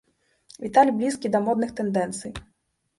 Віталь блізкі да модных тэндэнцый.